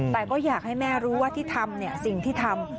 แต่ก็อยากให้แม่รู้ว่าที่ทำสิ่งที่ทำ